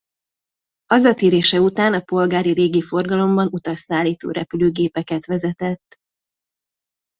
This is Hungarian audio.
Hazatérése után a polgári légiforgalomban utasszállító repülőgépeket vezetett.